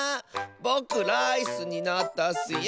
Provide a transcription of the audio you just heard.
ぼくライスになったッスよ！